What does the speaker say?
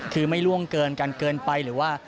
คือไม่ล่วงเกินกันเกินไปหรือว่า